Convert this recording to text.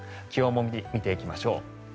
気温も見ていきましょう。